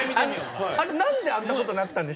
あれ何であんなことになったんでしたっけ？